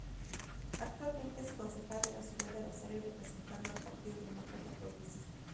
Actualmente es concejal de la ciudad de Rosario representando al Partido Demócrata Progresista.